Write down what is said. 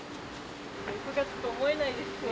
６月と思えないですね。